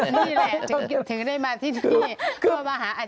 นี่แหละถึงได้มาที่นี่เพื่อมาหาอาจารย์